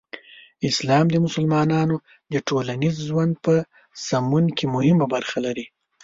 اسلام د مسلمانانو د ټولنیز ژوند په سمون کې مهمه برخه لري.